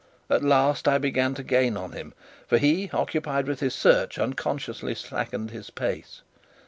At last I began to gain on him; for he, occupied with his search, unconsciously slackened his pace.